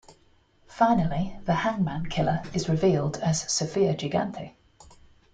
Finally, the Hangman Killer is revealed as Sofia Gigante.